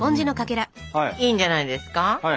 いいんじゃないですか？